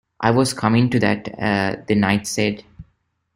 ‘I was coming to that,’ the Knight said.